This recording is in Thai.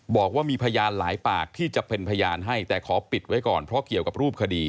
บอกว่ามีพยานหลายปากที่จะเป็นพยานให้แต่ขอปิดไว้ก่อนเพราะเกี่ยวกับรูปคดี